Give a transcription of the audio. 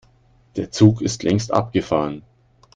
Der Zug ist längst abgefahren.